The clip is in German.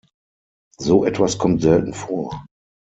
So etwas kommt selten vor.